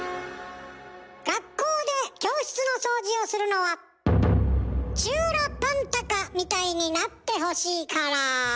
学校で教室の掃除をするのはチューラパンタカみたいになってほしいから。